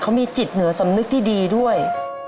เขามีจิตเหนือสำนึกที่ดีด้วย